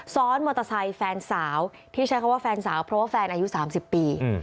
ซ้อนมอเตอร์ไซค์แฟนสาวที่ใช้คำว่าแฟนสาวเพราะว่าแฟนอายุ๓๐ปี